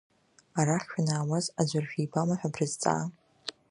Арахь шәанаауаз аӡәыр шәибама ҳәа брызҵаа?